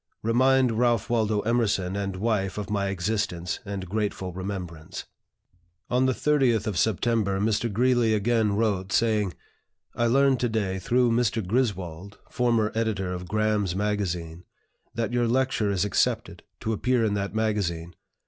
"Remind Ralph Waldo Emerson and wife of my existence and grateful remembrance." On the 30th of September Mr. Greeley again wrote, saying, "I learned to day, through Mr. Griswold, former editor of 'Graham's Magazine,' that your lecture is accepted, to appear in that magazine.